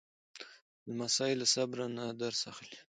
لمسی له صبر نه درس اخلي.